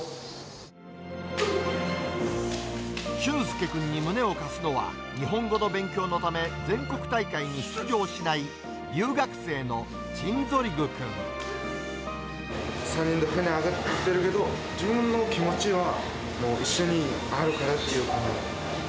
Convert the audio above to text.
俊介君に胸を貸すのは、日本語の勉強のため、全国大会に出場しない、３人で土俵に上がってるけど、自分の気持ちはもう一緒にあるからっていう。